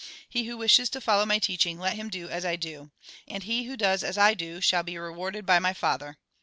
He who wishes to follow my teaching, let him do as I do. And he who does as I do shall be rewarded by my Father.